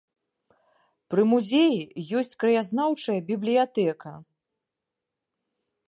Пры музеі ёсць краязнаўчая бібліятэка.